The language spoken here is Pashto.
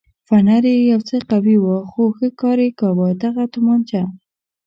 فنر یې یو څه قوي و خو ښه کار یې کاوه، دغه تومانچه.